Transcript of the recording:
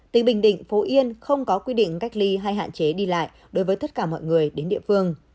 tỉnh bình định phú yên không có quy định cách ly hay hạn chế đi lại đối với tất cả mọi người đến địa phương